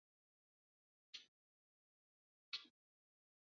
奥勒济人口变化图示